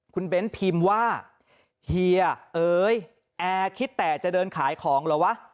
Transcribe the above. คุณเบ้นพิมพ์ว่าเฮียเอ๋ยแอร์คิดแต่จะเดินขายของเหรอวะ